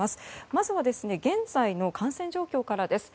まずは現在の感染状況からです。